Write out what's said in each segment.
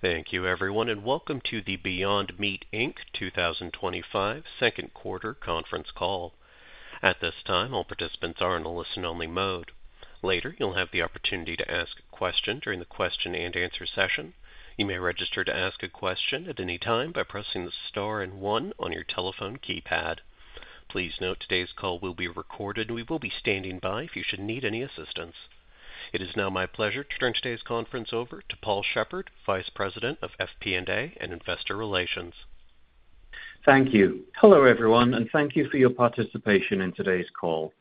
Thank you, everyone, and welcome to the Beyond Meat, Inc. 2025 Second Quarter Conference Call. At this time, all participants are in a listen-only mode. Later, you'll have the opportunity to ask a question during the question and answer session. You may register to ask a question at any time by pressing the star and one on your telephone keypad. Please note today's call will be recorded, and we will be standing by if you should need any assistance. It is now my pleasure to turn today's conference over to Paul Shepherd, Vice President of FP&A and Investor Relations. Thank you. Hello everyone, and thank you for your participation in today's call.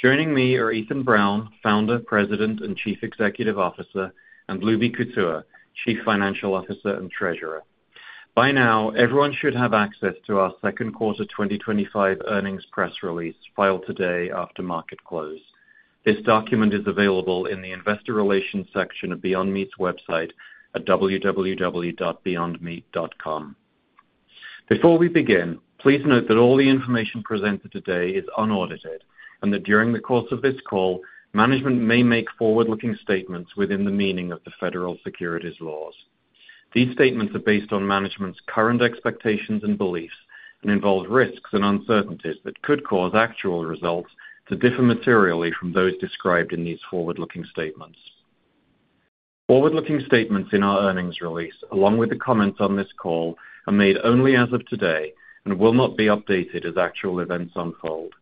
Joining me are Ethan Brown, Founder, President, and Chief Executive Officer, and Lubi Kutua, Chief Financial Officer and Treasurer. By now, everyone should have access to our Second Quarter 2025 Earnings Press Release filed today after market close. This document is available in the Investor Relations section of Beyond Meat's website at www.beyondmeat.com. Before we begin, please note that all the information presented today is unaudited and that during the course of this call, management may make forward-looking statements within the meaning of the Federal Securities Laws. These statements are based on management's current expectations and beliefs and involve risks and uncertainties that could cause actual results to differ materially from those described in these forward-looking statements. Forward-looking statements in our earnings release, along with the comments on this call, are made only as of today and will not be updated as actual events unfold.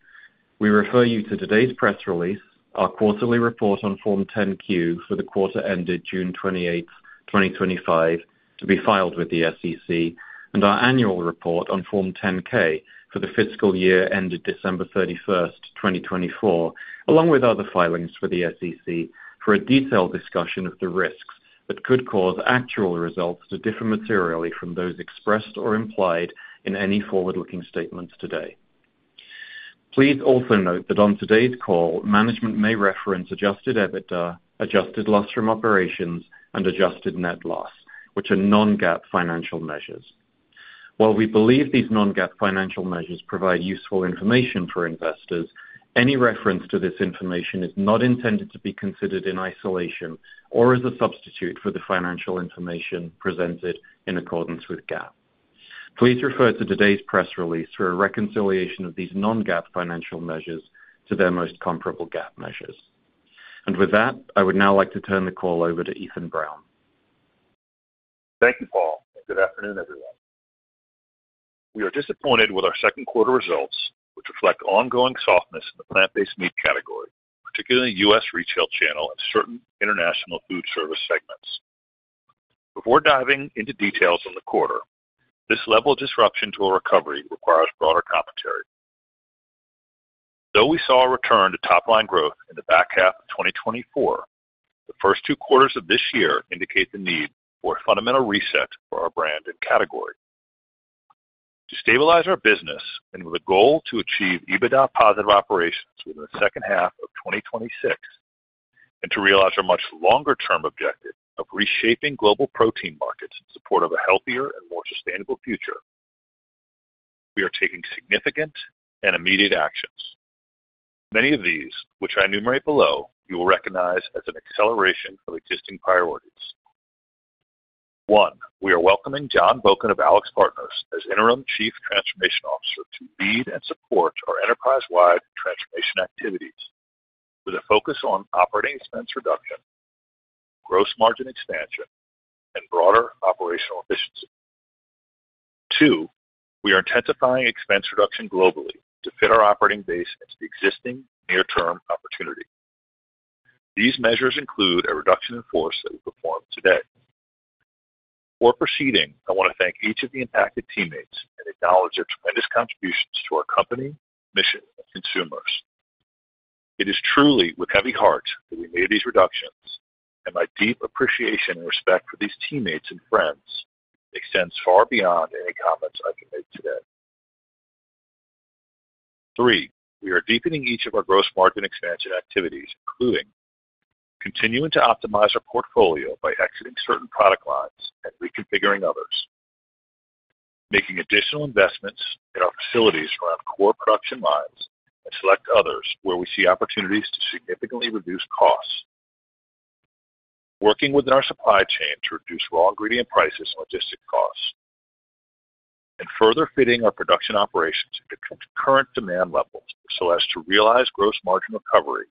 We refer you to today's press release, our quarterly report on Form 10-Q for the quarter ended June 28th, 2025, to be filed with the SEC, and our annual report on Form 10-K for the fiscal year ended December 31st, 2024, along with other filings with the SEC for a detailed discussion of the risks that could cause actual results to differ materially from those expressed or implied in any forward-looking statements today. Please also note that on today's call, management may reference adjusted EBITDA and adjusted loss from operations and adjusted net loss, which are non-GAAP financial measures. While we believe these non-GAAP financial measures provide useful information for investors, any reference to this information is not intended to be considered in isolation or as a substitute for the financial information presented in accordance with GAAP. Please refer to today's press release for a reconciliation of these non-GAAP financial measures to their most comparable GAAP measures. I would now like to turn the call over to Ethan Brown. Thank you, Paul. Good afternoon, everyone. We are disappointed with our second quarter results, which reflect ongoing softness in the plant-based meat category, particularly the U.S. retail channel and certain international food service segments. Before diving into details in the quarter, this level of disruption to our recovery requires broader commentary. Though we saw a return to top-line growth in the back half of 2024, the first two quarters of this year indicate the need for a fundamental reset for our brand and category. To stabilize our business and with a goal to achieve EBITDA-positive operations within the second half of 2026, and to realize our much longer-term objective of reshaping global protein markets in support of a healthier and more sustainable future, we are taking significant and immediate action. Many of these, which I enumerate below, you will recognize as an acceleration of existing priorities. One, we are welcoming John Boken of AlixPartners as Interim Chief Transformation Officer to lead and support our enterprise-wide transformation activities with a focus on operating expense reduction, gross margin expansion, and broader operational efficiency. Two, we are intensifying expense reduction globally to fit our operating base and existing near-term opportunity. These measures include a reduction in force that we performed today. Before proceeding, I want to thank each of the impacted teammates and acknowledge their tremendous contributions to our company, mission, and consumers. It is truly with a heavy heart that we made these reductions, and my deep appreciation and respect for these teammates and friends extends far beyond any comments I can make today. Three, we are deepening each of our gross margin expansion activities, including continuing to optimize our portfolio by exiting certain product lines and reconfiguring others, making additional investments in our facilities around core production lines and select others where we see opportunities to significantly reduce costs, working within our supply chain to reduce raw ingredient prices and logistic costs, and further fitting our production operations to current demand levels so as to realize gross margin recovery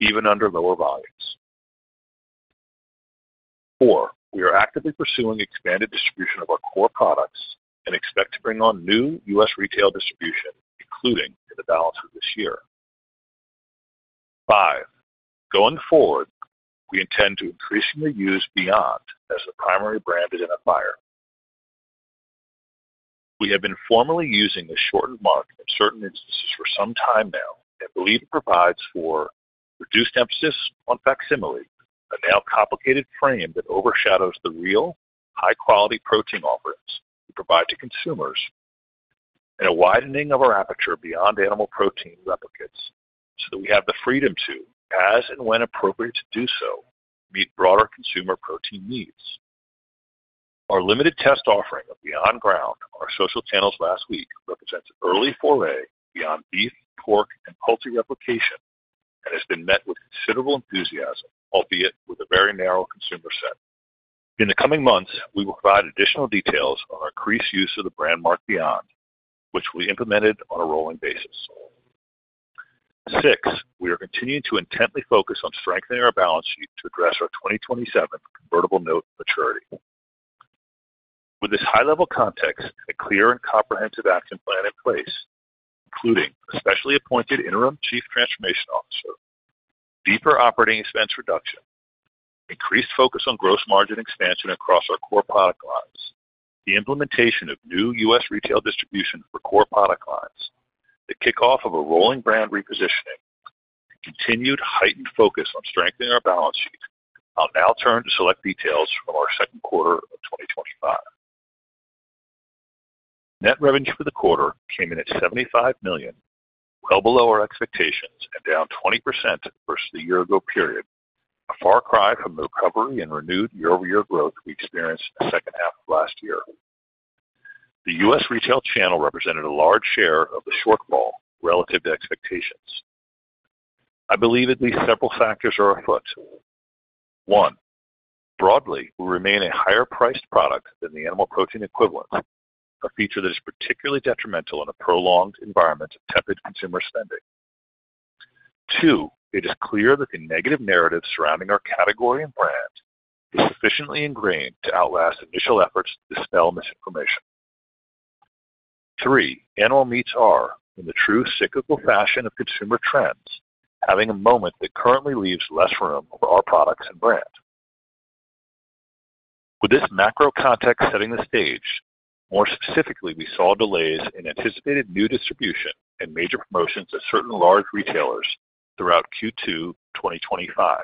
even under lower volumes. Four, we are actively pursuing the expanded distribution of our core products and expect to bring on new U.S. retail distribution, including in the balance of this year. Five, going forward, we intend to increasingly use Beyond as the primary brand identifier. We have been formally using the shortened mark in certain instances for some time now. The lead provides for [do steps as] on facsimile, a now complicated frame that overshadows the real, high-quality protein offerings we provide to consumers, and a widening of our aperture beyond animal protein replicates so that we have the freedom to, as and when appropriate to do so, meet broader consumer protein needs. Our limited test offering of Beyond Ground on our social channels last week represents an early foray beyond beef, pork, and poultry replication and has been met with considerable enthusiasm, albeit with a very narrow consumer set. In the coming months, we will provide additional details on our increased use of the brand mark Beyond, which will be implemented on a rolling basis. Six, we are continuing to intently focus on strengthening our balance sheet to address our 2027 convertible note maturity. With this high-level context, a clear and comprehensive action plan in place, including especially appointed Interim Chief Transformation Officer, deeper operating expense reduction, increased focus on gross margin expansion across our core product lines, the implementation of new U.S. retail distribution for core product lines, the kickoff of a rolling brand repositioning, and continued heightened focus on strengthening our balance sheet, I'll now turn to select details from our second quarter of 2025. Net revenue for the quarter came in at $75 million, well below our expectations and down 20% versus the year-ago period, a far cry from the recovery and renewed year-over-year growth we experienced in the second half of last year. The U.S. retail channel represented a large share of the shortfall relative to expectations. I believe at least several factors are afoot. One, broadly, we remain a higher-priced product than the animal protein equivalent, a feature that is particularly detrimental in a prolonged environment of tepid consumer spending. Two, it is clear that the negative narrative surrounding our category and brand is sufficiently ingrained to outlast initial efforts to dispel misinformation. Three, animal meats are, in the true cyclical fashion of consumer trends, having a moment that currently leaves less room for our products and brand. With this macro context setting the stage, more specifically, we saw delays in anticipated new distribution and major promotions to certain large retailers throughout Q2 2025.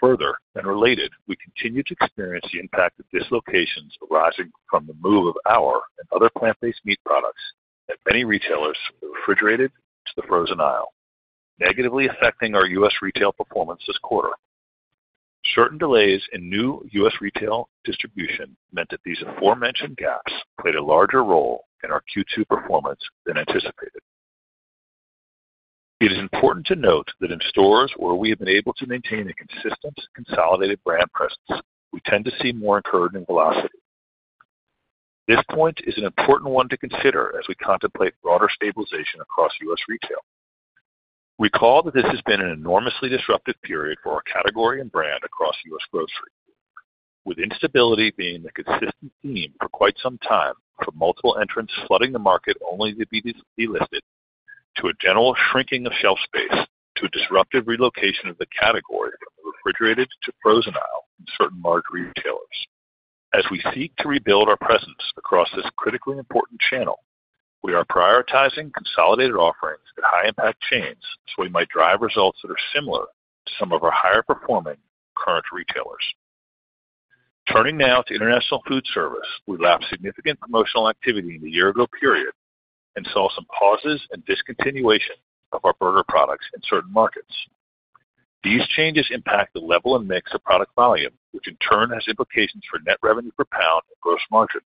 Further and related, we continue to experience the impact of dislocations arising from the move of our and other plant-based meat products that many retailers refrigerated to the frozen aisle, negatively affecting our U.S. retail performance this quarter. Certain delays in new U.S. retail distribution meant that these aforementioned gaps played a larger role in our Q2 performance than anticipated. It is important to note that in stores where we have been able to maintain a consistent consolidated brand presence, we tend to see more encouraging [velocity]. This point is an important one to consider as we contemplate broader stabilization across U.S. retail. Recall that this has been an enormously disruptive period for our category and brand across U.S. grocery, with instability being the consistent theme for quite some time from multiple entrants flooding the market only to be lifted to a general shrinking of shelf space to a disruptive relocation of the category from refrigerated to frozen aisle in certain large retailers. As we seek to rebuild our presence across this critically important channel, we are prioritizing consolidated offerings at high-impact chains so we might drive results that are similar to some of our higher-performing current retailers. Turning now to international food service, we lacked significant promotional activity in the year-ago period and saw some pauses and discontinuation of our burger products in certain markets. These changes impact the level and mix of product volume, which in turn has implications for net revenue per pound and gross margin.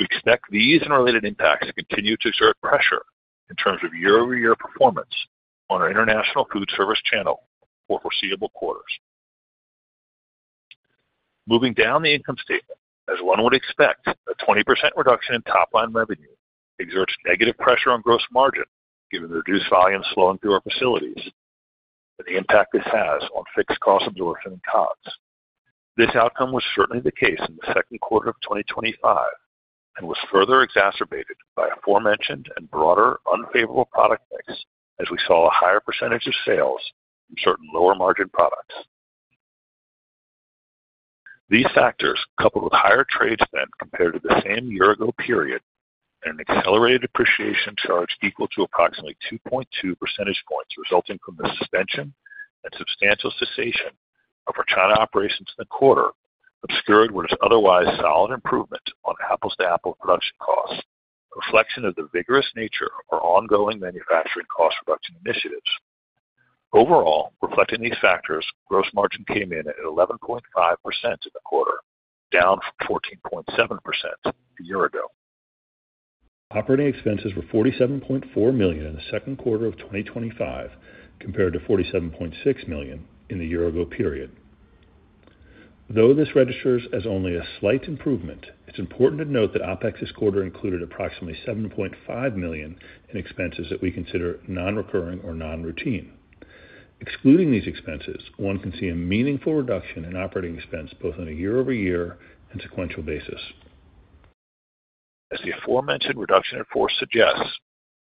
We expect these and related impacts to continue to exert pressure in terms of year-over-year performance on our international food service channel for foreseeable quarters. Moving down the income statement, as one would expect, a 20% reduction in top-line revenue exerts negative pressure on gross margin given the reduced volume flowing through our facilities and the impact this has on fixed cost absorption and costs. This outcome was certainly the case in the second quarter of 2025 and was further exacerbated by a aforementioned and broader unfavorable product mix as we saw a higher percentage of sales from certain lower margin products. These factors, coupled with higher trade spend compared to the same year-ago period and an accelerated appreciation charge equal to approximately 2.2 percentage points resulting from the suspension and substantial cessation of our China operations in the quarter, obscured what is otherwise solid improvement on apples-to-apple production costs, a reflection of the vigorous nature of our ongoing manufacturing cost reduction initiatives. Overall, reflecting these factors, gross margin came in at 11.5% in the quarter, down from 14.7% a year ago. Operating expenses were $47.4 million in the second quarter of 2025 compared to $47.6 million in the year-ago period. Though this registers as only a slight improvement, it's important to note that OpEx this quarter included approximately $7.5 million in expenses that we consider non-recurring or non-routine. Excluding these expenses, one can see a meaningful reduction in operating expense both on a year-over-year and sequential basis. As the aforementioned reduction in force suggests,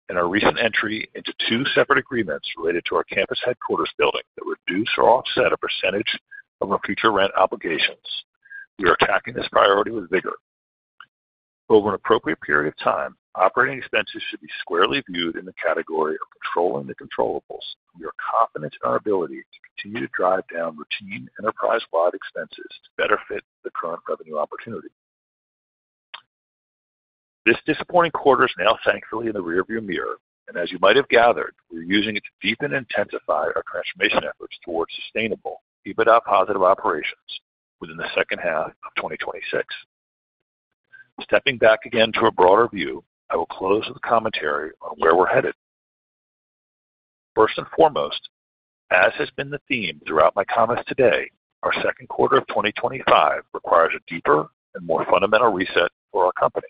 in our recent entry, two separate agreements related to our campus headquarters building that reduce or offset a percentage of our future rent obligations. We are attacking this priority with vigor. Over an appropriate period of time, operating expenses should be squarely viewed in the category of controlling the controllables. We are confident in our ability to continue to drive down routine enterprise-wide expenses to better fit the current revenue opportunity. This disappointing quarter is now thankfully in the rearview mirror, and as you might have gathered, we're using it to deepen and intensify our transformation efforts towards sustainable EBITDA-positive operations within the second half of 2026. Stepping back again to a broader view, I will close with a commentary on where we're headed. First and foremost, as has been the theme throughout my comments today, our second quarter of 2025 requires a deeper and more fundamental reset for our company.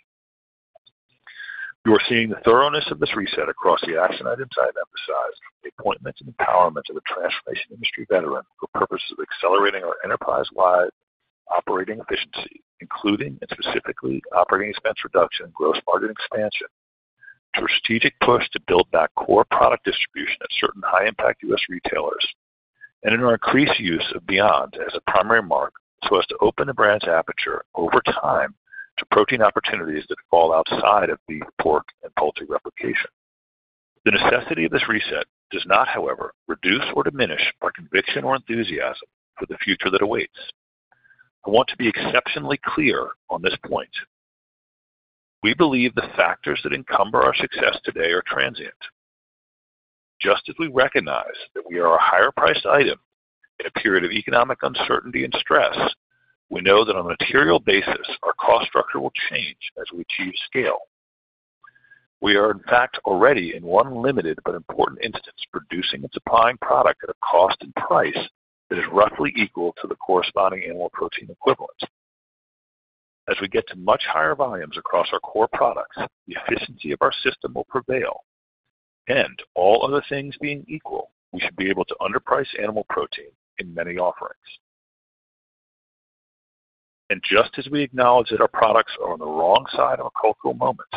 You are seeing the thoroughness of this reset across the action items I have emphasized, the appointments and empowerments of a transformation industry veteran for purposes of accelerating our enterprise-wide operating efficiency, including and specifically operating expense reduction and gross margin expansion through a strategic push to build back core product distribution at certain high-impact U.S. retailers and in our increased use of Beyond as a primary mark so as to open the brand's aperture over time to protein opportunities that fall outside of beef, pork, and poultry replication. The necessity of this reset does not, however, reduce or diminish our conviction or enthusiasm for the future that awaits. I want to be exceptionally clear on this point. We believe the factors that encumber our success today are transient. Just as we recognize that we are a higher-priced item in a period of economic uncertainty and stress, we know that on a material basis, our cost structure will change as we achieve scale. We are, in fact, already in one limited but important instance, producing and supplying product at a cost and price that is roughly equal to the corresponding animal protein equivalent. As we get to much higher volumes across our core products, the efficiency of our system will prevail. All other things being equal, we should be able to underprice animal protein in many offerings. Just as we acknowledge that our products are on the wrong side of a cultural moment,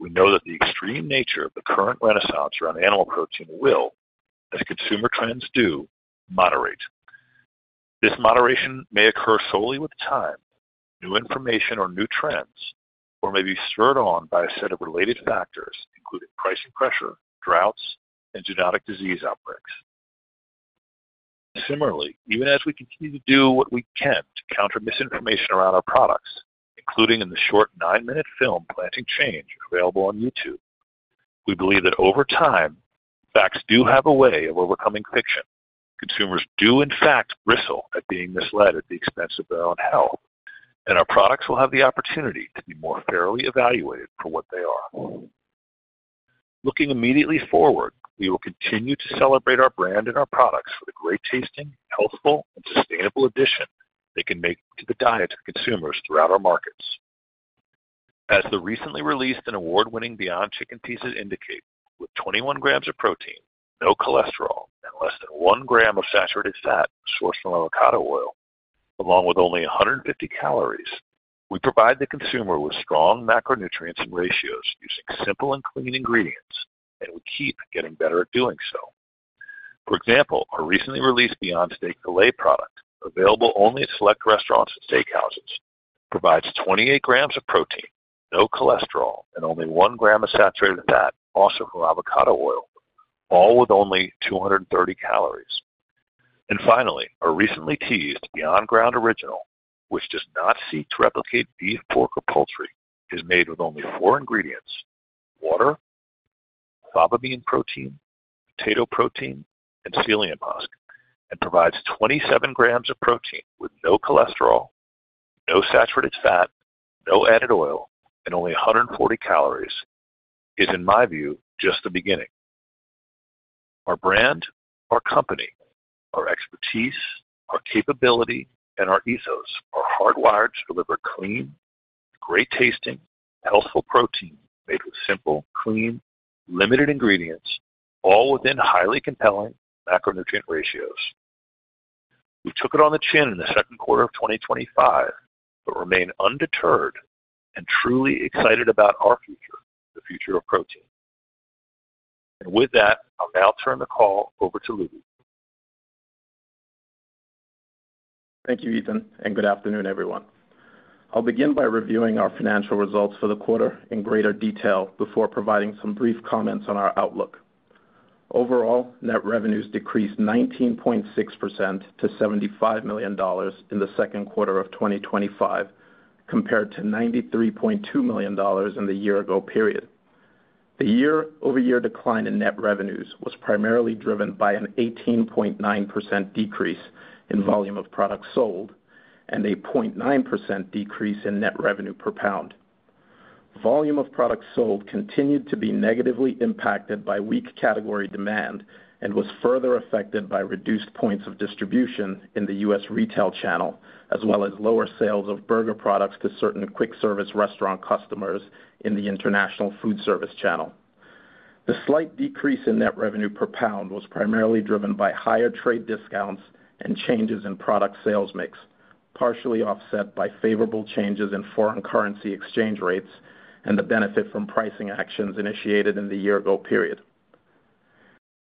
we know that the extreme nature of the current renaissance around animal protein will, as consumer trends do, moderate. This moderation may occur solely with time, new information, or new trends, or may be spurred on by a set of related factors, including pricing pressure, droughts, and genetic disease outbreaks. Similarly, even as we continue to do what we can to counter misinformation around our products, including in the short nine-minute film PLANTING CHANGE available on YouTube, we believe that over time, facts do have a way of overcoming fiction. Consumers do, in fact, bristle at being misled at the expense of their own health, and our products will have the opportunity to be more fairly evaluated for what they are. Looking immediately forward, we will continue to celebrate our brand and our products for the great tasting, healthful, and sustainable addition they can make to the diets of consumers throughout our markets. As the recently released and award-winning Beyond Chicken Pieces indicate, with 21 g of protein, no cholesterol, and less than 1 g of saturated fat, sourced from avocado oil, along with only 150 calories, we provide the consumer with strong macronutrient and ratios using simple and clean ingredients, and we keep getting better at doing so. For example, our recently released Beyond Steak Filet product, available only at select restaurants and steakhouses, provides 28 gr of protein, no cholesterol, and only 1 g of saturated fat, also from avocado oil, all with only 230 calories. Finally, our recently teased Beyond Ground Original, which does not seek to replicate beef, pork, or poultry, is made with only four ingredients: water, fava bean protein, potato protein, and psyllium husk, and provides 27 grams of protein with no cholesterol, no saturated fat, no added oil, and only 140 calories. It is, in my view, just the beginning. Our brand, our company, our expertise, our capability, and our ethos are hardwired to deliver clean, great-tasting, healthful protein made with simple, clean, limited ingredients, all within highly compelling macronutrient ratios. We took it on the chin in the second quarter of 2025, yet remain undeterred and truly excited about our future, the future of protein. With that, I'll now turn the call over to Lubi. Thank you, Ethan, and good afternoon, everyone. I'll begin by reviewing our financial results for the quarter in greater detail before providing some brief comments on our outlook. Overall, net revenues decreased 19.6% to $75 million in the second quarter of 2025 compared to $93.2 million in the year-ago period. The year-over-year decline in net revenues was primarily driven by an 18.9% decrease in volume of products sold and a 0.9% decrease in net revenue per pound. Volume of products sold continued to be negatively impacted by weak category demand and was further affected by reduced points of distribution in the U.S. retail channel, as well as lower sales of burger products to certain quick-service restaurant customers in the international food service channel. The slight decrease in net revenue per pound was primarily driven by higher trade discounts and changes in product sales mix, partially offset by favorable changes in foreign currency exchange rates and the benefit from pricing actions initiated in the year-ago period.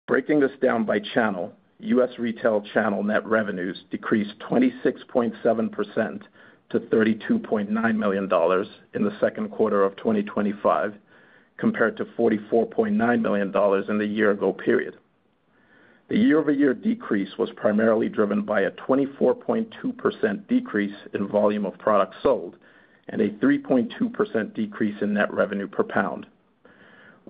Breaking this down by channel, U.S. retail channel net revenues decreased 26.7% to $32.9 million in the second quarter of 2025 compared to $44.9 million in the year-ago period. The year-over-year decrease was primarily driven by a 24.2% decrease in volume of products sold and a 3.2% decrease in net revenue per pound.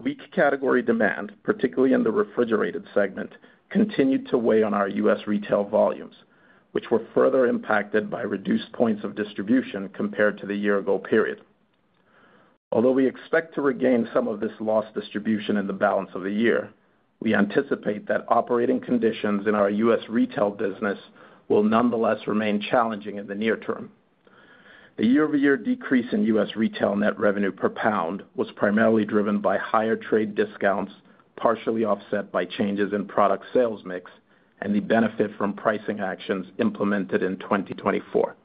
Weak category demand, particularly in the refrigerated segment, continued to weigh on our U.S. retail volumes, which were further impacted by reduced points of distribution compared to the year-ago period. Although we expect to regain some of this lost distribution in the balance of the year, we anticipate that operating conditions in our U.S. retail business will nonetheless remain challenging in the near term. The year-over-year decrease in U.S. retail net revenue per pound was primarily driven by higher trade discounts, partially offset by changes in product sales mix, and the benefit from pricing actions implemented in 2024.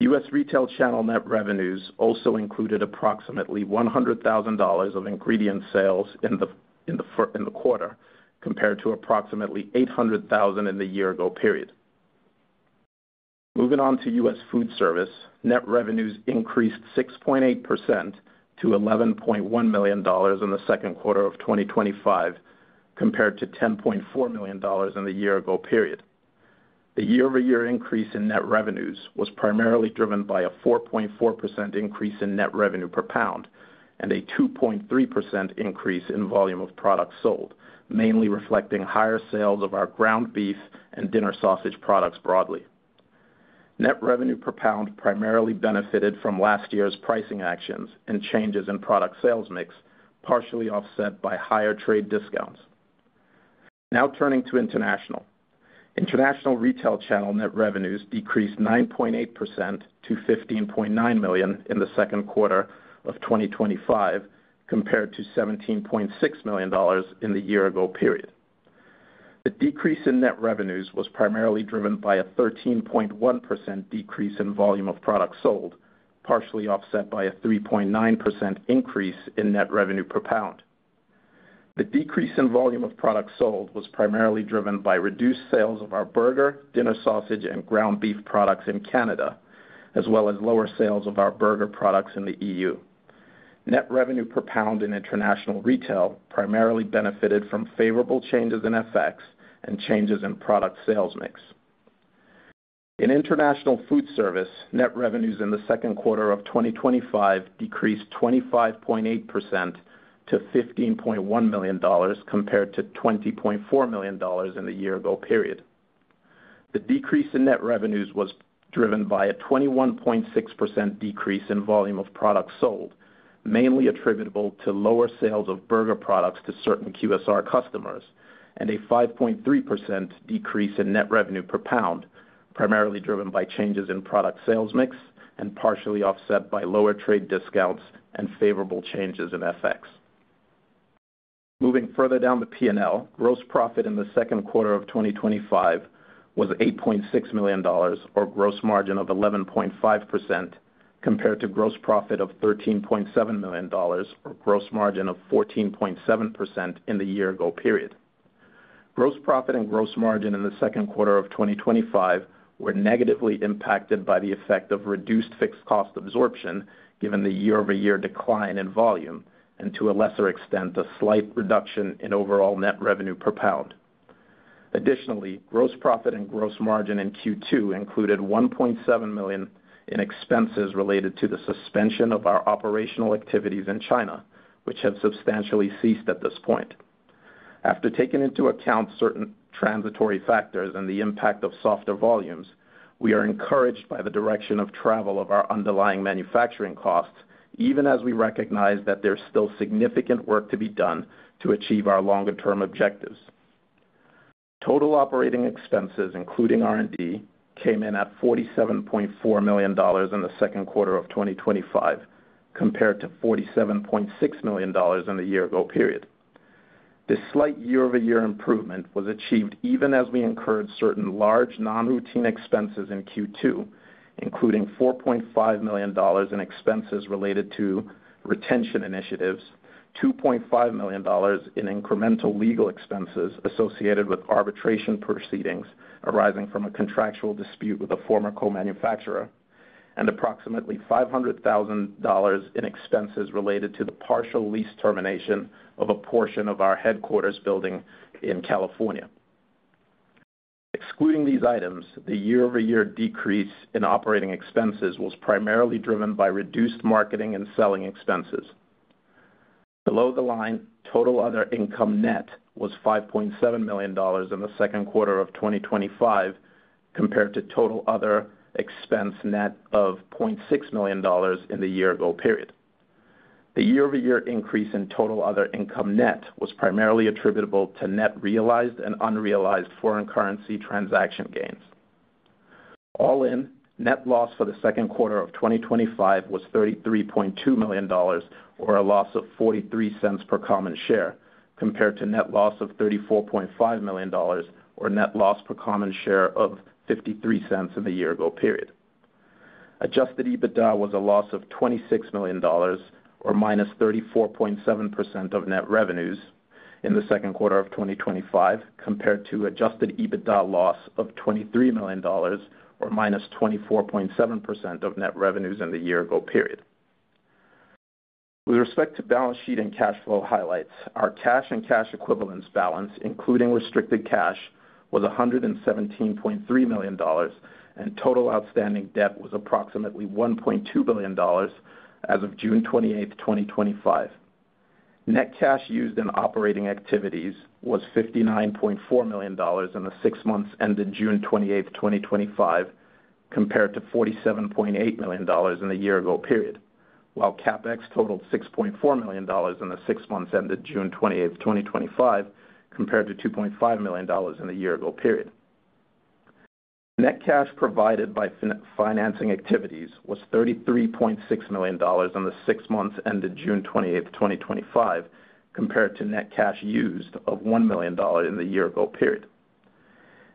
U.S. retail channel net revenues also included approximately $100,000 of ingredient sales in the quarter compared to approximately $800,000 in the year-ago period. Moving on to U.S. food service, net revenues increased 6.8% to $11.1 million in the second quarter of 2025 compared to $10.4 million in the year-ago period. The year-over-year increase in net revenues was primarily driven by a 4.4% increase in net revenue per pound and a 2.3% increase in volume of products sold, mainly reflecting higher sales of our ground beef and dinner sausage products broadly. Net revenue per pound primarily benefited from last year's pricing actions and changes in product sales mix, partially offset by higher trade discounts. Now turning to international, international retail channel net revenues decreased 9.8% to $15.9 million in the second quarter of 2025 compared to $17.6 million in the year-ago period. The decrease in net revenues was primarily driven by a 13.1% decrease in volume of products sold, partially offset by a 3.9% increase in net revenue per pound. The decrease in volume of products sold was primarily driven by reduced sales of our burger, dinner sausage, and ground beef products in Canada, as well as lower sales of our burger products in the EU. Net revenue per pound in international retail primarily benefited from favorable changes in FX and changes in product sales mix. In international food service, net revenues in the second quarter of 2025 decreased 25.8% to $15.1 million compared to $20.4 million in the year-ago period. The decrease in net revenues was driven by a 21.6% decrease in volume of products sold, mainly attributable to lower sales of burger products to certain QSR customers, and a 5.3% decrease in net revenue per pound, primarily driven by changes in product sales mix and partially offset by lower trade discounts and favorable changes in FX. Moving further down the P&L, gross profit in the second quarter of 2025 was $8.6 million, or gross margin of 11.5%, compared to gross profit of $13.7 million, or gross margin of 14.7% in the year-ago period. Gross profit and gross margin in the second quarter of 2025 were negatively impacted by the effect of reduced fixed cost absorption given the year-over-year decline in volume and, to a lesser extent, a slight reduction in overall net revenue per pound. Additionally, gross profit and gross margin in Q2 included $1.7 million in expenses related to the suspension of our operational activities in China, which had substantially ceased at this point. After taking into account certain transitory factors and the impact of softer volumes, we are encouraged by the direction of travel of our underlying manufacturing costs, even as we recognize that there's still significant work to be done to achieve our longer-term objectives. Total operating expenses, including R&D, came in at $47.4 million in the second quarter of 2025, compared to $47.6 million in the year-ago period. This slight year-over-year improvement was achieved even as we incurred certain large non-routine expenses in Q2, including $4.5 million in expenses related to retention initiatives, $2.5 million in incremental legal expenses associated with arbitration proceedings arising from a contractual dispute with a former co-manufacturer, and approximately $500,000 in expenses related to the partial lease termination of a portion of our headquarters building in California. Excluding these items, the year-over-year decrease in operating expenses was primarily driven by reduced marketing and selling expenses. Below the line, total other income net was $5.7 million in the second quarter of 2025, compared to total other expense net of $0.6 million in the year-ago period. The year-over-year increase in total other income net was primarily attributable to net realized and unrealized foreign currency transaction gains. All in, net loss for the second quarter of 2025 was $33.2 million, or a loss of $0.43 per common share, compared to net loss of $34.5 million, or net loss per common share of $0.53 in the year-ago period. Adjusted EBITDA was a loss of $26 million, or -34.7% of net revenues in the second quarter of 2025, compared to adjusted EBITDA loss of $23 million, or -24.7% of net revenues in the year-ago period. With respect to balance sheet and cash flow highlights, our cash and cash equivalents balance, including restricted cash, was $117.3 million, and total outstanding debt was approximately $1.2 billion as of June 28th, 2025. Net cash used in operating activities was $59.4 million in the six months ended June 28th, 2025, compared to $47.8 million in the year-ago period, while CapEx totaled $6.4 million in the six months ended June 28th, 2025, compared to $2.5 million in the year-ago period. Net cash provided by financing activities was $33.6 million in the six months ended June 28th, 2025, compared to net cash used of $1 million in the year-ago period.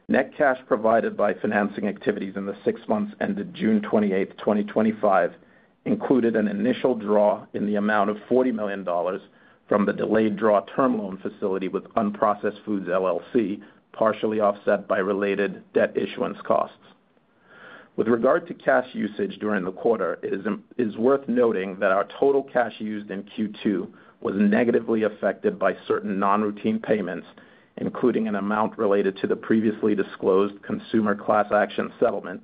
Net cash provided by financing activities in the six months ended June 28th, 2025, included an initial draw in the amount of $40 million from the delayed draw term loan facility with Unprocessed Foods LLC, partially offset by related debt issuance costs. With regard to cash usage during the quarter, it is worth noting that our total cash used in Q2 was negatively affected by certain non-routine payments, including an amount related to the previously disclosed consumer class action settlement,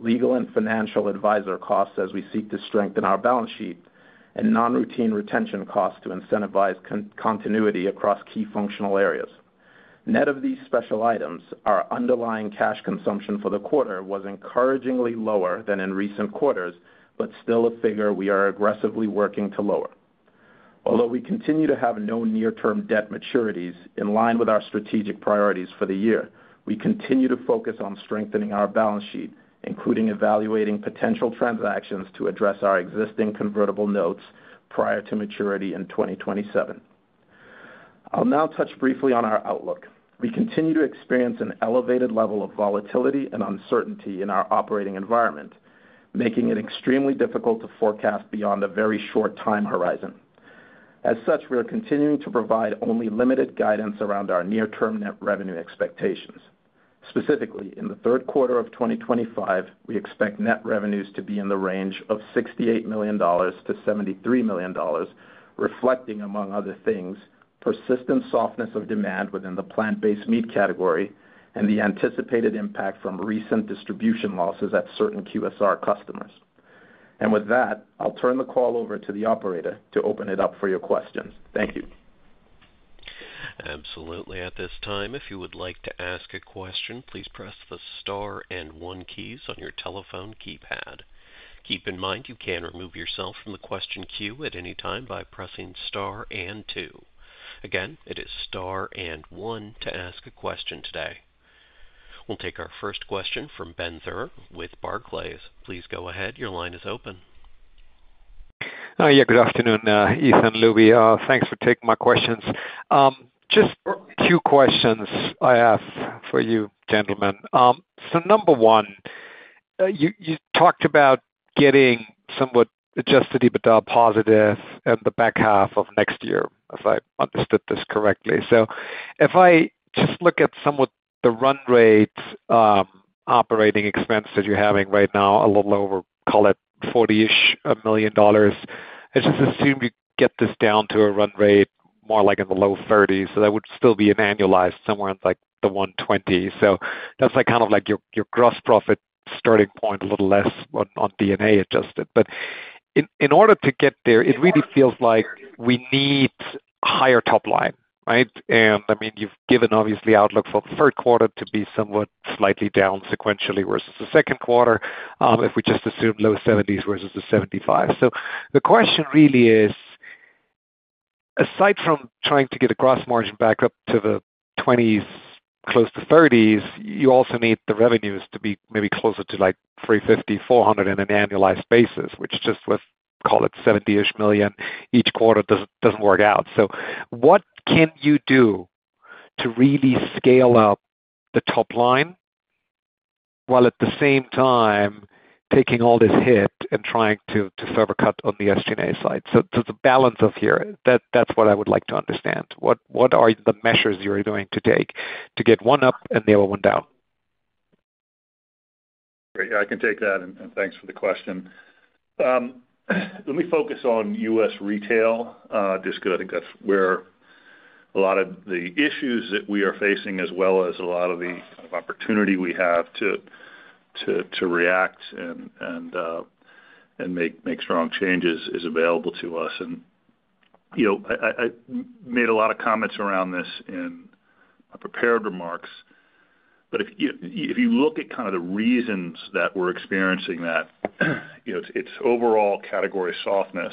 legal and financial advisor costs as we seek to strengthen our balance sheet, and non-routine retention costs to incentivize continuity across key functional areas. Net of these special items, our underlying cash consumption for the quarter was encouragingly lower than in recent quarters, but still a figure we are aggressively working to lower. Although we continue to have no near-term debt maturities in line with our strategic priorities for the year, we continue to focus on strengthening our balance sheet, including evaluating potential transactions to address our existing convertible notes prior to maturity in 2027. I'll now touch briefly on our outlook. We continue to experience an elevated level of volatility and uncertainty in our operating environment, making it extremely difficult to forecast beyond a very short time horizon. As such, we are continuing to provide only limited guidance around our near-term net revenue expectations. Specifically, in the third quarter of 2025, we expect net revenues to be in the range of $68 million-$73 million, reflecting, among other things, persistent softness of demand within the plant-based meat category and the anticipated impact from recent distribution losses at certain QSR customers. With that, I'll turn the call over to the operator to open it up for your questions. Thank you. At this time, if you would like to ask a question, please press the star and one keys on your telephone keypad. Keep in mind you can remove yourself from the question queue at any time by pressing star and two. Again, it is star and one to ask a question today. We'll take our first question from Ben Theurer with Barclays. Please go ahead. Your line is open. Yeah, good afternoon, Ethan, Lubi. Thanks for taking my questions. Just two questions I have for you, gentlemen. Number one, you talked about getting somewhat adjusted EBITDA positive in the back half of next year, if I understood this correctly. If I just look at somewhat the run rate operating expense that you're having right now, a little over, call it $40-ish million, I just assume you get this down to a run rate more like in the low $30s. That would still be an annualized somewhere in like the $120. That's like kind of like your gross profit starting point, a little less on DNA adjusted. In order to get there, it really feels like we need a higher top line, right? I mean, you've given obviously outlook for the third quarter to be somewhat slightly down sequentially versus the second quarter, if we just assume low $70s versus the $75. The question really is, aside from trying to get a gross margin back up to the 20s, close to 30s, you also need the revenues to be maybe closer to like $350, $400 on an annualized basis, which just with, call it $70-ish million each quarter, doesn't work out. What can you do to really scale up the top line while at the same time taking all this hit and trying to further cut on the SG&A side? The balance of here, that's what I would like to understand. What are the measures you're going to take to get one up and the other one down? Great. Yeah, I can take that, and thanks for the question. Let me focus on U.S. retail just because I think that's where a lot of the issues that we are facing, as well as a lot of the kind of opportunity we have to react and make strong changes, is available to us. I made a lot of comments around this in my prepared remarks. If you look at kind of the reasons that we're experiencing that, it's overall category softness.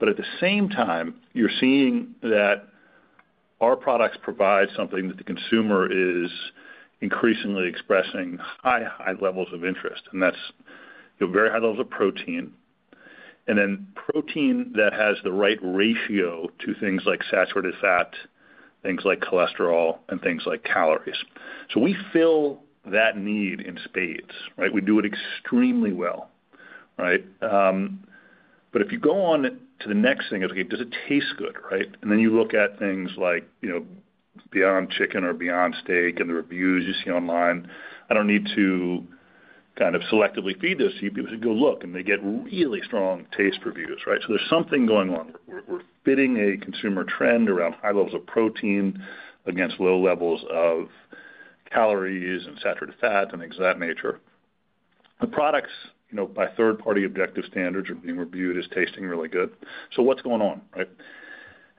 At the same time, you're seeing that our products provide something that the consumer is increasingly expressing high, high levels of interest, and that's very high levels of protein, and then protein that has the right ratio to things like saturated fat, things like cholesterol, and things like calories. We fill that need in spades, right? We do it extremely well, right? If you go on to the next thing, does it taste good, right? Then you look at things like Beyond Chicken or Beyond Steak and the reviews you see online. I don't need to kind of selectively feed this. People should go look, and they get really strong taste reviews, right? There's something going on. We're fitting a consumer trend around high levels of protein against low levels of calories and saturated fat and things of that nature. The products, by third-party objective standards, are being reviewed as tasting really good. What's going on, right?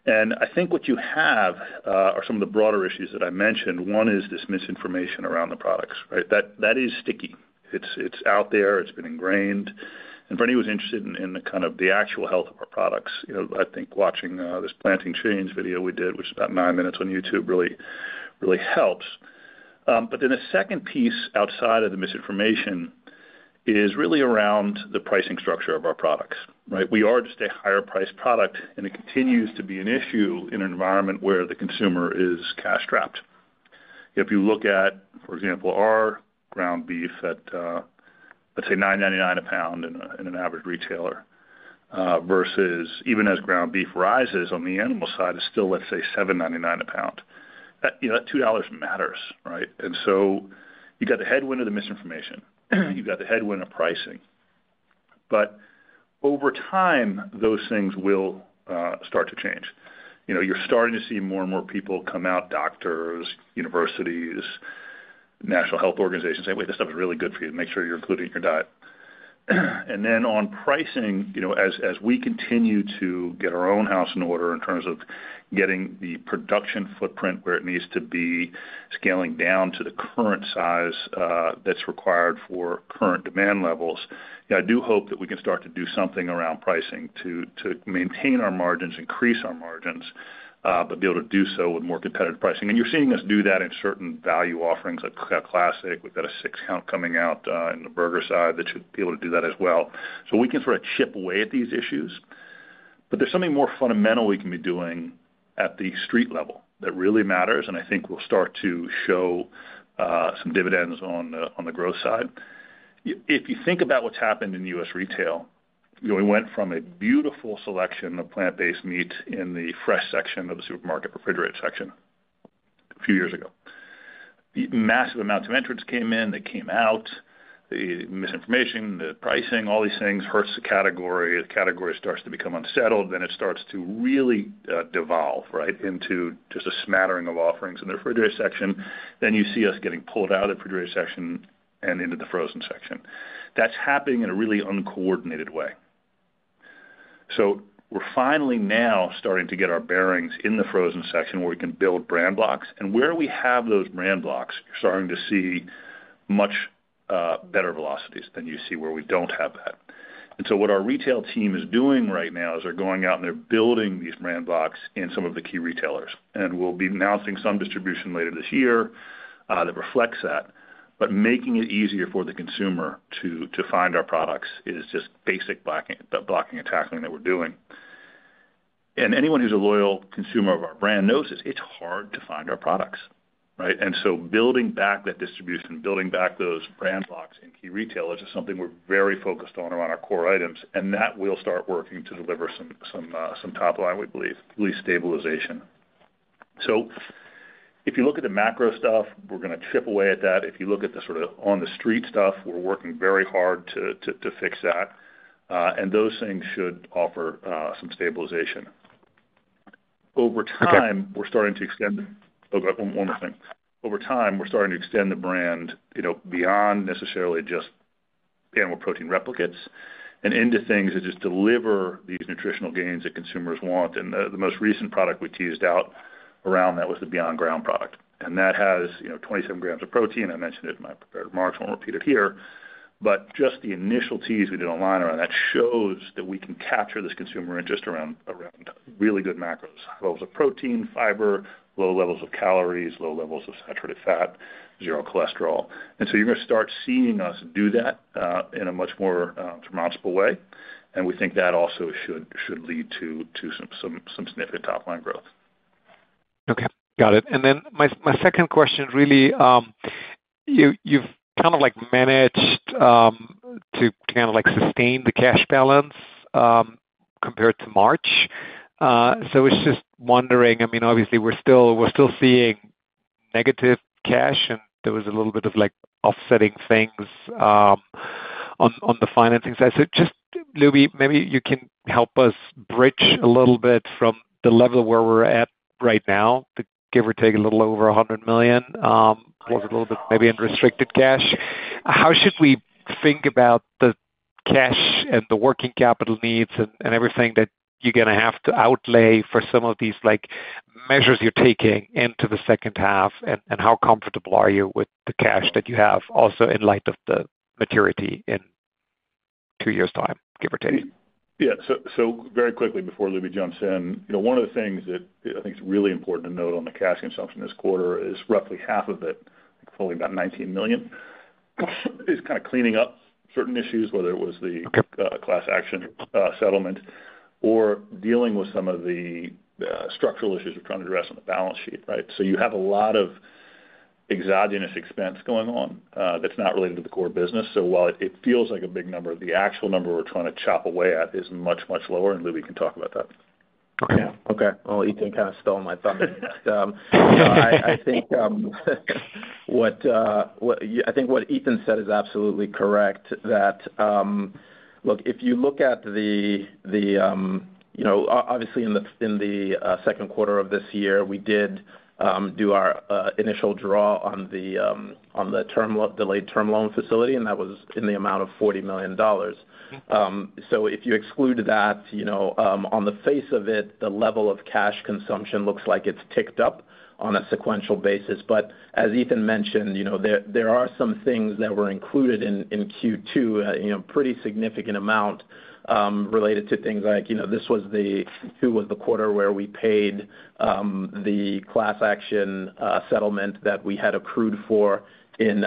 I think what you have are some of the broader issues that I mentioned. One is this misinformation around the products, right? That is sticky. It's out there. It's been ingrained. For anyone who's interested in kind of the actual health of our products, I think watching this PLANTING CHANGE video we did, which is about nine minutes on YouTube, really, really helps. The second piece outside of the misinformation is really around the pricing structure of our products, right? We are just a higher-priced product, and it continues to be an issue in an environment where the consumer is cash-strapped. If you look at, for example, our ground beef at, let's say, $9.99 a pound in an average retailer, versus even as ground beef rises on the animal side, it's still, let's say, $7.99 a pound. That $2 matters, right? You've got the headwind of the misinformation. You've got the headwind of pricing. Over time, those things will start to change. You know you're starting to see more and more people come out, doctors, universities, national health organizations say, "Wait, this stuff is really good for you. Make sure you're including it in your diet." On pricing, as we continue to get our own house in order in terms of getting the production footprint where it needs to be, scaling down to the current size that's required for current demand levels, I do hope that we can start to do something around pricing to maintain our margins, increase our margins, but be able to do so with more competitive pricing. You're seeing us do that in certain value offerings, like a classic. We've got a six-count coming out in the burger side that should be able to do that as well. We can sort of chip away at these issues. There is something more fundamental we can be doing at the street level that really matters, and I think will start to show some dividends on the growth side. If you think about what's happened in the U.S. retail, we went from a beautiful selection of plant-based meat in the fresh section of the supermarket refrigerated section a few years ago. Massive amounts of entrants came in. They came out. The misinformation, the pricing, all these things hurt the category. The category starts to become unsettled. It starts to really devolve into just a smattering of offerings in the refrigerated section. You see us getting pulled out of the refrigerated section and into the frozen section. That's happening in a really uncoordinated way. We're finally now starting to get our bearings in the frozen section where we can build brand blocks. Where we have those brand blocks, you're starting to see much better velocities than you see where we don't have that. What our retail team is doing right now is they're going out and they're building these brand blocks in some of the key retailers. We'll be announcing some distribution later this year that reflects that. Making it easier for the consumer to find our products is just basic blocking and tackling that we're doing. Anyone who's a loyal consumer of our brand knows this. It's hard to find our products, right? Building back that distribution, building back those brand blocks in key retailers is something we're very focused on around our core items. That will start working to deliver some top line, we believe, at least stabilization. If you look at the macro stuff, we're going to chip away at that. If you look at the sort of on-the-street stuff, we're working very hard to fix that. Those things should offer some stabilization. Over time, we're starting to extend the—oh, one more thing. Over time, we're starting to extend the brand beyond necessarily just panel protein replicates and into things that just deliver these nutritional gains that consumers want. The most recent product we teased out around that was the Beyond Ground product. That has 27 g of protein. I mentioned it in my prepared remarks. I won't repeat it here. Just the initial tease we did online around that shows that we can capture this consumer interest around really good macros, levels of protein, fiber, low levels of calories, low levels of saturated fat, zero cholesterol. You're going to start seeing us do that in a much more surmountable way. We think that also should lead to some significant top line growth. Okay. Got it. My second question is really, you've kind of managed to sustain the cash balance compared to March. I was just wondering, obviously, we're still seeing negative cash, and there was a little bit of offsetting things on the financing side. Lubi, maybe you can help us bridge a little bit from the level where we're at right now, give or take a little over $100 million. There was a little bit maybe in restricted cash. How should we think about the cash and the working capital needs and everything that you're going to have to outlay for some of these measures you're taking into the second half? How comfortable are you with the cash that you have also in light of the maturity in two years' time, give or take? Yeah. Very quickly, before Lubi jumps in, one of the things that I think is really important to note on the cash consumption this quarter is roughly half of it, I think fully about $19 million, is kind of cleaning up certain issues, whether it was the class action settlement or dealing with some of the structural issues we're trying to address on the balance sheet, right? You have a lot of exogenous expense going on that's not related to the core business. While it feels like a big number, the actual number we're trying to chop away at is much, much lower. Lubi can talk about that. Okay. Yeah. Okay. Ethan kind of stole my thunder there. I think what Ethan said is absolutely correct that, look, if you look at the, you know, obviously, in the second quarter of this year, we did do our initial draw on the delayed term loan facility, and that was in the amount of $40 million. If you exclude that, you know, on the face of it, the level of cash consumption looks like it's ticked up on a sequential basis. As Ethan mentioned, you know, there are some things that were included in Q2, you know, a pretty significant amount related to things like, you know, this was the Q2 was the quarter where we paid the class action settlement that we had accrued for in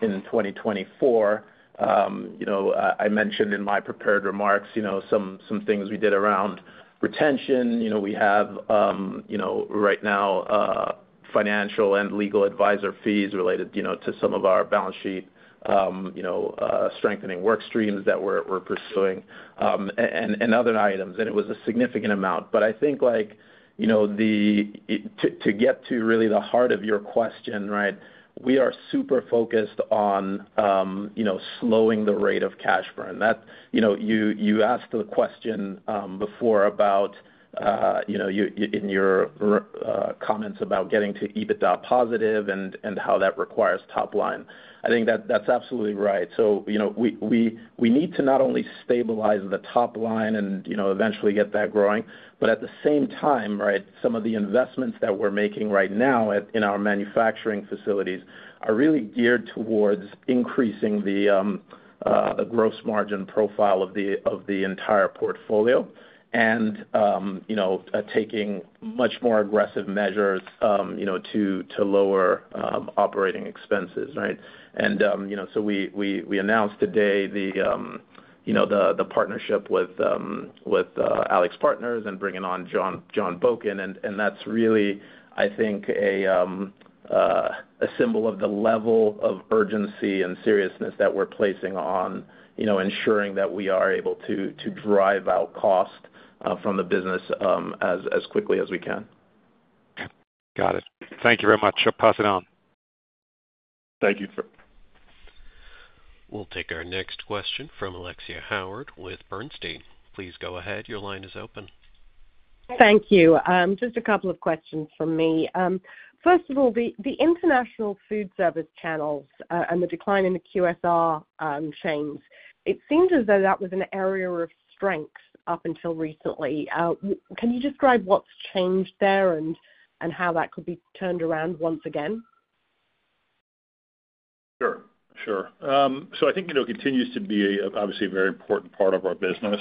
2024. I mentioned in my prepared remarks, you know, some things we did around retention. We have, you know, right now, financial and legal advisor fees related, you know, to some of our balance sheet, you know, strengthening work streams that we're pursuing, and other items. It was a significant amount. I think, like, you know, to get to really the heart of your question, right, we are super focused on, you know, slowing the rate of cash burn. You asked the question before about, you know, in your comments about getting to EBITDA-positive and how that requires top line. I think that that's absolutely right. We need to not only stabilize the top line and, you know, eventually get that growing, but at the same time, right, some of the investments that we're making right now in our manufacturing facilities are really geared towards increasing the gross margin profile of the entire portfolio and, you know, taking much more aggressive measures, you know, to lower operating expenses, right? We announced today the, you know, the partnership with AlixPartners and bringing on John Boken. That's really, I think, a symbol of the level of urgency and seriousness that we're placing on, you know, ensuring that we are able to drive out cost from the business as quickly as we can. Got it. Thank you very much. I'll pass it on. Thank you. We'll take our next question from Alexia Howard with Bernstein. Please go ahead. Your line is open. Thank you. Just a couple of questions from me. First of all, the international food service channels and the decline in the QSR chains, it seemed as though that was an area of strength up until recently. Can you describe what's changed there and how that could be turned around once again? Sure. I think it continues to be obviously a very important part of our business.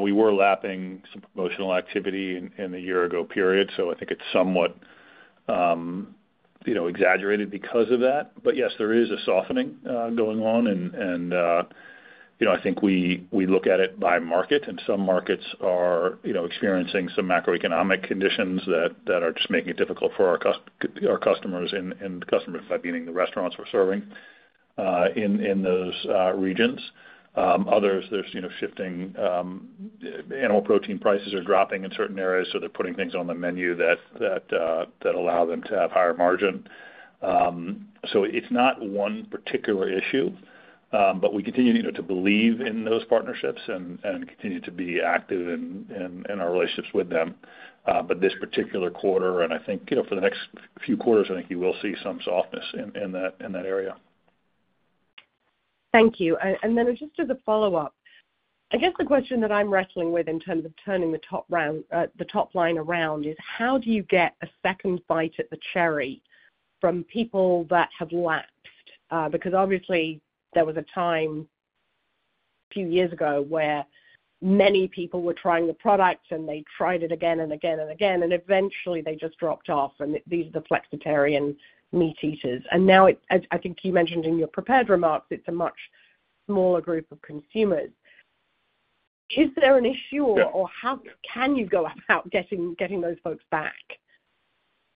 We were lapping some promotional activity in the year-ago period, so I think it's somewhat exaggerated because of that. Yes, there is a softening going on. I think we look at it by market, and some markets are experiencing some macroeconomic conditions that are just making it difficult for our customers, and customers, by meaning the restaurants we're serving in those regions. Others, there's shifting animal protein prices dropping in certain areas, so they're putting things on the menu that allow them to have higher margin. It's not one particular issue, but we continue to believe in those partnerships and continue to be active in our relationships with them. This particular quarter, and I think for the next few quarters, I think you will see some softness in that area. Thank you. Just as a follow-up, I guess the question that I'm wrestling with in terms of turning the top line around is how do you get a second bite at the cherry from people that have lapsed? Obviously, there was a time a few years ago where many people were trying the product, and they tried it again and again and again, and eventually, they just dropped off. These are the flexitarian meat eaters. Now, I think you mentioned in your prepared remarks, it's a much smaller group of consumers. Is there an issue, or how can you go about getting those folks back?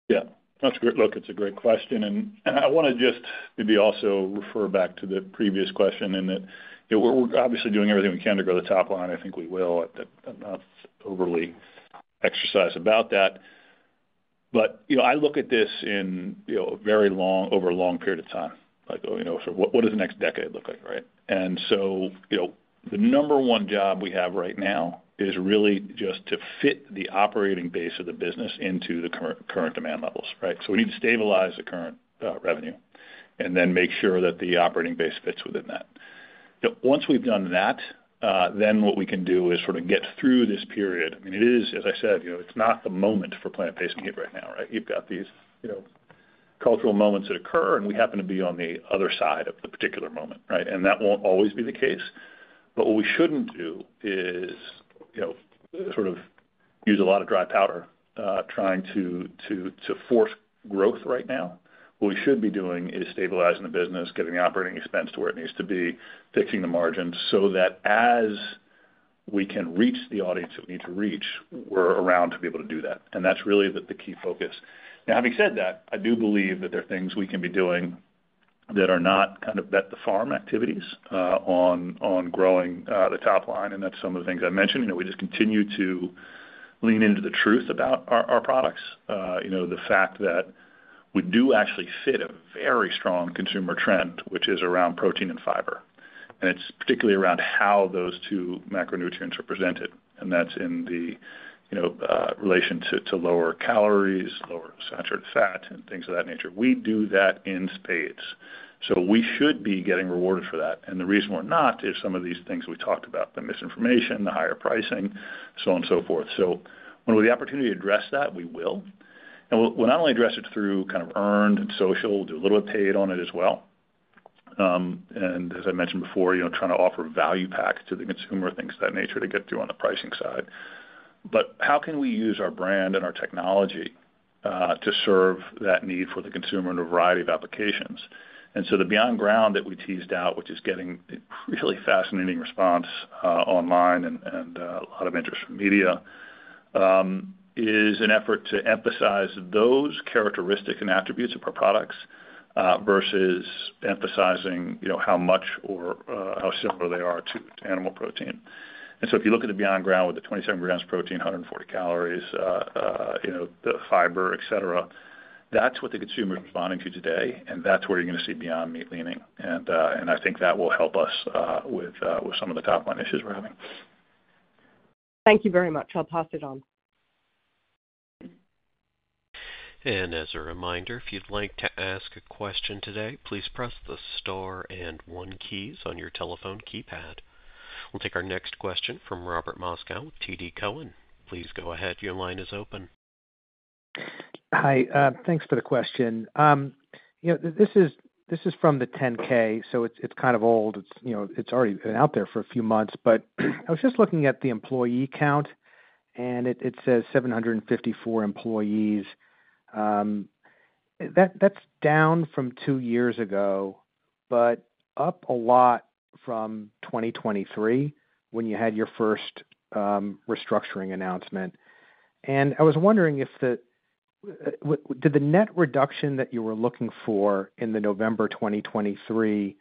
Yeah, that's a great look. It's a great question. I want to just maybe also refer back to the previous question in that we're obviously doing everything we can to grow the top line. I think we will. I'm not overly exercised about that. I look at this over a long period of time, like, you know, what does the next decade look like, right? The number one job we have right now is really just to fit the operating base of the business into the current demand levels, right? We need to stabilize the current revenue and then make sure that the operating base fits within that. Once we've done that, then what we can do is sort of get through this period. It is, as I said, it's not the moment for plant-based meat right now, right? You've got these cultural moments that occur, and we happen to be on the other side of the particular moment, right? That won't always be the case. What we shouldn't do is use a lot of dry powder trying to force growth right now. What we should be doing is stabilizing the business, getting the operating expense to where it needs to be, fixing the margins so that as we can reach the audience that we need to reach, we're around to be able to do that. That's really the key focus. Now, having said that, I do believe that there are things we can be doing that are not kind of bet-the-farm activities on growing the top line. That's some of the things I mentioned. We just continue to lean into the truth about our products. The fact that we do actually fit a very strong consumer trend, which is around protein and fiber, and it's particularly around how those two macronutrients are presented. That's in relation to lower calories, lower saturated fat, and things of that nature. We do that in spades. We should be getting rewarded for that. The reason we're not is some of these things we talked about, the misinformation, the higher pricing, so on and so forth. When we have the opportunity to address that, we will. We'll not only address it through earned and social, we'll do a little bit paid on it as well. As I mentioned before, trying to offer value packs to the consumer, things of that nature to get through on the pricing side. How can we use our brand and our technology to serve that need for the consumer in a variety of applications? The Beyond Ground that we teased out, which is getting a really fascinating response online and a lot of interest from media, is an effort to emphasize those characteristics and attributes of our products versus emphasizing how much or how similar they are to animal protein. If you look at the Beyond Ground with the 27 g protein, 140 calories, the fiber, etc., that's what the consumer is responding to today. That's where you're going to see Beyond Meat leaning. I think that will help us with some of the top line issues we're having. Thank you very much. I'll pass it on. As a reminder, if you'd like to ask a question today, please press the star and one keys on your telephone keypad. We'll take our next question from Robert Moskow with TD Cowen. Please go ahead. Your line is open. Hi. Thanks for the question. This is from the 10-K, so it's kind of old. It's already been out there for a few months. I was just looking at the employee count, and it says 754 employees. That's down from two years ago, but up a lot from 2023 when you had your first restructuring announcement. I was wondering if the net reduction that you were looking for in the November 2023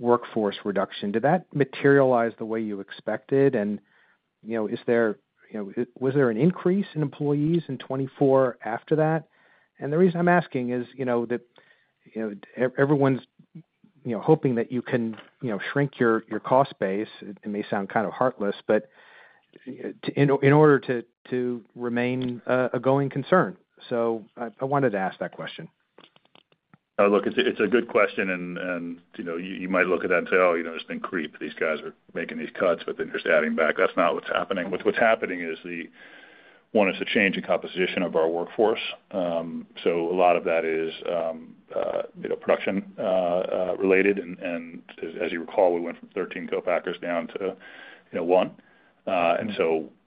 workforce reduction, did that materialize the way you expected? Was there an increase in employees in 2024 after that? The reason I'm asking is that everyone's hoping that you can shrink your cost base. It may sound kind of heartless, but in order to remain a going concern. I wanted to ask that question. Look, it's a good question. You might look at that and say, "Oh, you know, it's been creep. These guys are making these cuts, but then you're just adding back." That's not what's happening. What's happening is the onus of change in composition of our workforce. A lot of that is production-related. As you recall, we went from 13 co-packers down to one, and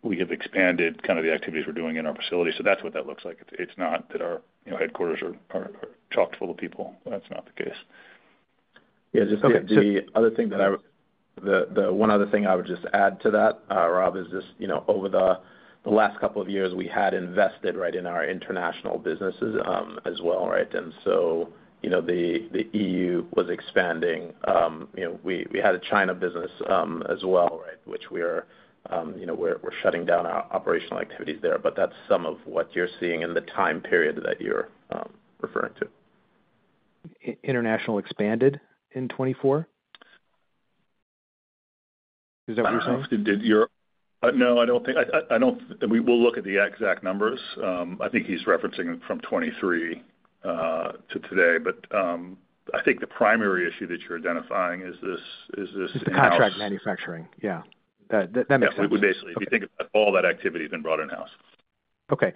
we have expanded kind of the activities we're doing in our facility. That's what that looks like. It's not that our headquarters are chock full of people. That's not the case. Yeah, just the other thing that I would add to that, Rob, is over the last couple of years, we had invested in our international businesses as well, right? The EU was expanding. We had a China business as well, which we're shutting down our operational activities there. That's some of what you're seeing in the time period that you're referring to. International expanded in 2024? Is that what you're saying? No, I don't think. I don't, and we'll look at the exact numbers. I think he's referencing it from 2023 to today. I think the primary issue that you're identifying is this. The contract manufacturing. Yeah, that makes sense. Yeah, if you think about all that activity, it has been brought in-house. Okay.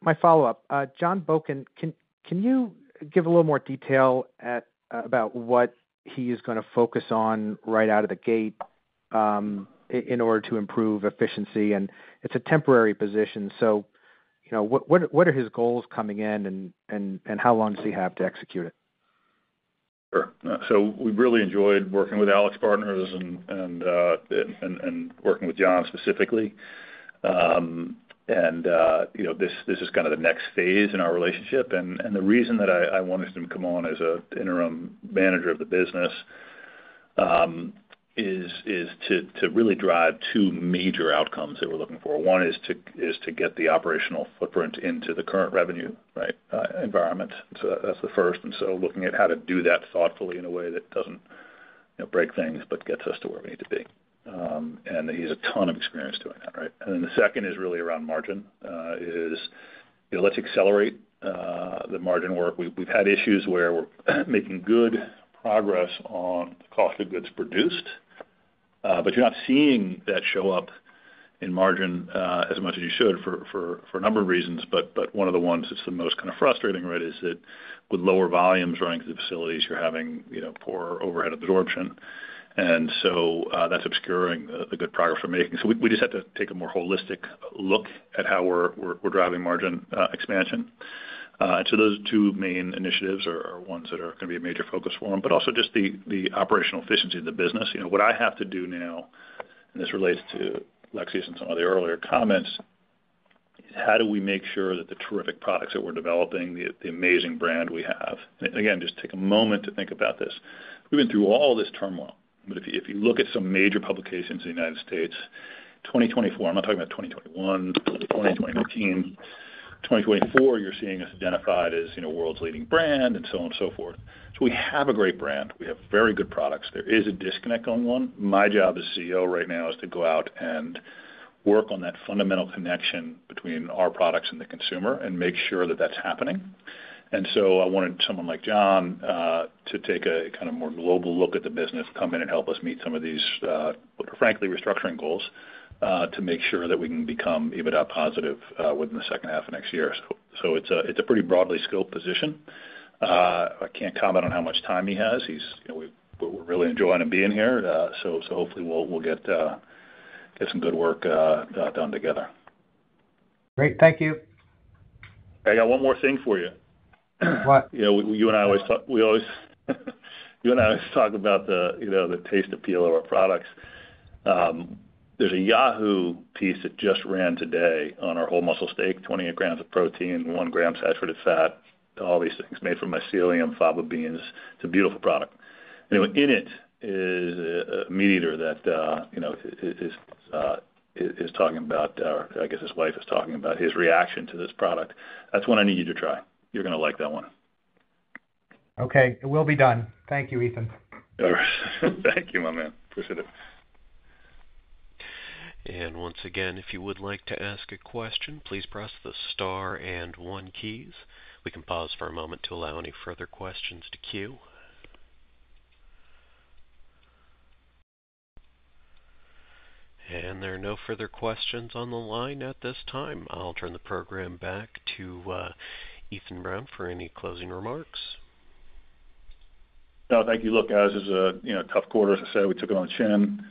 My follow-up. John Boken, can you give a little more detail about what he is going to focus on right out of the gate in order to improve efficiency? It is a temporary position. You know, what are his goals coming in and how long does he have to execute it? Sure. We really enjoyed working with AlixPartners and working with John specifically. This is kind of the next phase in our relationship. The reason that I wanted him to come on as an Interim Chief Transformation Officer of the business is to really drive two major outcomes that we're looking for. One is to get the operational footprint into the current revenue environment. That's the first. Looking at how to do that thoughtfully in a way that doesn't break things but gets us to where we need to be. He has a ton of experience doing that. The second is really around margin. Let's accelerate the margin work. We've had issues where we're making good progress on cost of goods produced, but you're not seeing that show up in margin as much as you should for a number of reasons. One of the ones that's the most kind of frustrating is that with lower volumes running through the facilities, you're having poor overhead absorption. That's obscuring the good progress we're making. We just have to take a more holistic look at how we're driving margin expansion. Those two main initiatives are ones that are going to be a major focus for him, but also just the operational efficiency of the business. What I have to do now, and this relates to Alexia's and some of the earlier comments, is how do we make sure that the terrific products that we're developing, the amazing brand we have, and again, just take a moment to think about this. We've been through all this turmoil. If you look at some major publications in the U.S., 2024, I'm not talking about 2021, 2019, 2024, you're seeing us identified as world's leading brand and so on and so forth. We have a great brand. We have very good products. There is a disconnect going on. My job as CEO right now is to go out and work on that fundamental connection between our products and the consumer and make sure that that's happening. I wanted someone like John to take a kind of more global look at the business, come in and help us meet some of these, frankly, restructuring goals to make sure that we can become EBITDA-positive within the second half of next year. It's a pretty broadly scoped position. I can't comment on how much time he has. We're really enjoying him being here. Hopefully, we'll get some good work done together. Great. Thank you. Hey, y'all, one more thing for you. What? You and I always talk about the taste appeal of our products. There's a Yahoo piece that just ran today on our whole muscle steak, 28 g of protein, 1 g saturated fat, all these things made from mycelium, fava beans. It's a beautiful product. Anyway, in it is a meat eater that, you know, is talking about, or I guess his wife is talking about his reaction to this product. That's one I need you to try. You're going to like that one. Okay. It will be done. Thank you, Ethan. Thank you, my man. Appreciate it. If you would like to ask a question, please press the star and one keys. We can pause for a moment to allow any further questions to queue. There are no further questions on the line at this time. I'll turn the program back to Ethan Brown for any closing remarks. No, thank you. Look, guys, it was a tough quarter. As I said, we took it on the chin.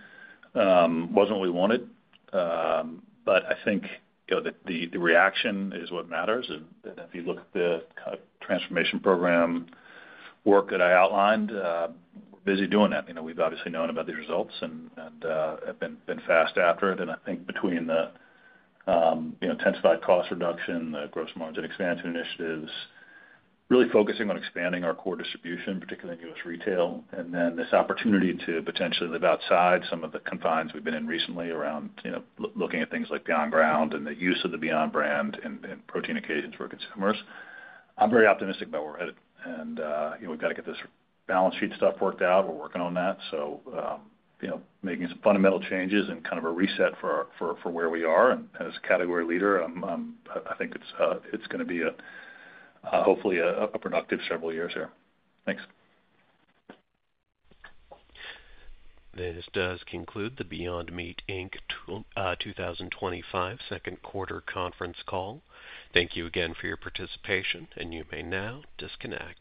It wasn't what we wanted. I think the reaction is what matters. If you look at the kind of transformation program work that I outlined, we're busy doing that. We've obviously known about these results and have been fast after it. I think between the intensified cost reduction, the gross margin expansion initiatives, really focusing on expanding our core distribution, particularly in U.S. retail, and this opportunity to potentially live outside some of the confines we've been in recently around looking at things like Beyond Ground and the use of the Beyond brand in protein occasions for consumers, I'm very optimistic about where we're headed. We've got to get this balance sheet stuff worked out. We're working on that, making some fundamental changes and kind of a reset for where we are. As category leader, I think it's going to be hopefully a productive several years here. Thanks. This does conclude the Beyond Meat, Inc. 2025 second quarter conference call. Thank you again for your participation, and you may now disconnect.